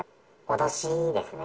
脅しですね。